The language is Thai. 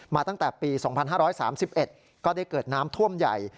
ตั้งแต่ปี๒๕๓๑ก็ได้เกิดน้ำท่วมใหญ่